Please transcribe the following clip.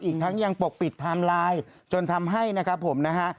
อีกทั้งยังปกปิดไทม์ไลน์จนทำให้นะครับผมนะฮะ